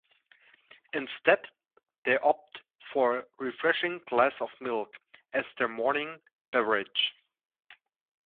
Instead, they opt for a refreshing glass of milk as their morning beverage.